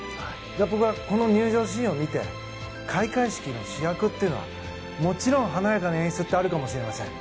僕はこの入場シーンを見て開会式の主役というのはもちろん華やかな演出ってあるかもしれません。